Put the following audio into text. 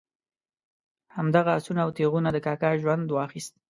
همدغه آسونه او تیغونه د کاکا ژوند واخیست.